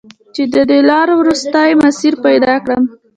چې د دې لارو، وروستی مسیر پیدا کړم